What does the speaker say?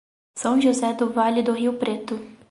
São José do Vale do Rio Preto